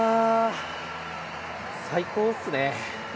最高っすね。